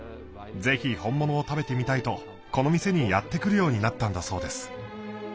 ぜひ本物を食べてみたいとこの店にやって来るようになったんだそうです。